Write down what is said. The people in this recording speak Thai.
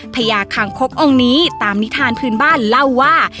พญาคางคกองค์นี้ตามนิทานพื้นบ้านเล่าว่า